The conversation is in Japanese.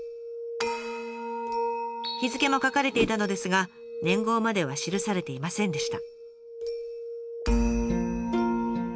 日付も書かれていたのですが年号までは記されていませんでした。